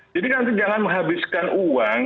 nanti jangan menghabiskan uang